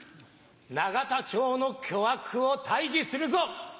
永田町の巨悪を退治するぞ。